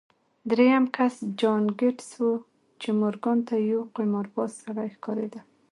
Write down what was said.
درېيم کس جان ګيټس و چې مورګان ته يو قمارباز سړی ښکارېده.